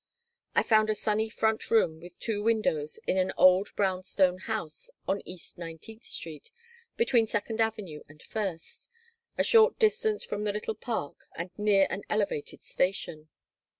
I found a sunny front room with two windows in an old brown stone house on East Nineteenth Street, between Second Avenue and First, a short distance from the little park and near an Elevated station.